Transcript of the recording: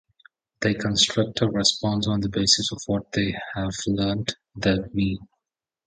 They "construct" a response on the basis of what they have learned, the "me".